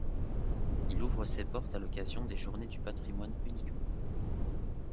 Il ouvre ses portes à l'occasion des journées du patrimoine uniquement.